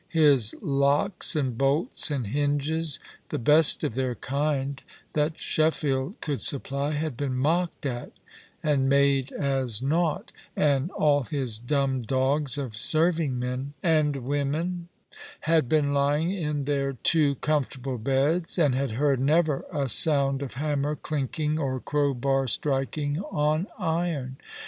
His locks and bolts and hinges, the best of their kind that SheflBeld could supply, had been mocked at and made as naught ; and all his dumb dogs of serving men and women had been lying in their too comfortable beds, and had heard never a sound of hammer clinking or crowbar striking on iron.